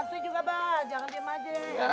buat para di akunan